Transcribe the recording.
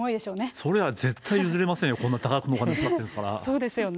それは絶対譲れませんよ、こんな多額のお金使ってるんですかそうですよね。